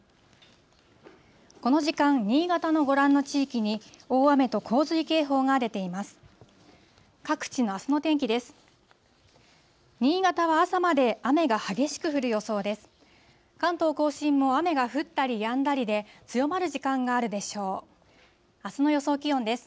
この時間、新潟のご覧の地域に大雨と洪水警報が出ています。